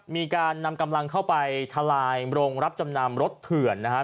มีการนำกำลังเข้าไปทลายโรงรับจำนำรถเถื่อนนะครับ